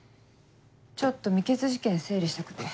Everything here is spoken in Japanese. ちょっと未決事件整理したくて。